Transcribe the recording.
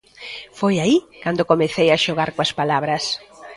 Foi aí cando comecei a xogar coas palabras.